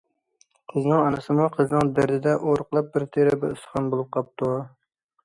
قىزنىڭ ئانىسىمۇ قىزىنىڭ دەردىدە ئورۇقلاپ، بىر تېرە، بىر ئۇستىخان بولۇپ قاپتۇ.